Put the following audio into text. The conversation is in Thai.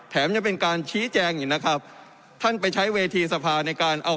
ยังเป็นการชี้แจงอีกนะครับท่านไปใช้เวทีสภาในการเอา